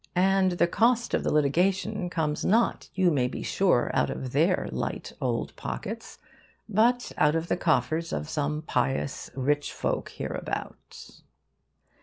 And the cost of the litigation comes not, you may be sure, out of their light old pockets, but out of the coffers of some pious rich folk hereabouts.